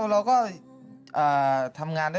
เพราะว่าใจแอบในเจ้า